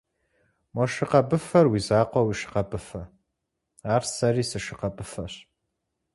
Мо шы къэбыфэр уи закъуэ уи шы къэбыфэ, ар сэри си шы къэбыфэщ.